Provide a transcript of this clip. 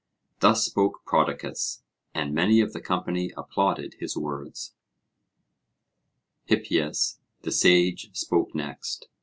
Thus spoke Prodicus, and many of the company applauded his words. Hippias the sage spoke next.